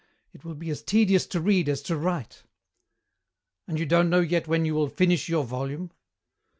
It will be as tedious to read as to write!" "And you don't know yet when you will finish your volume?"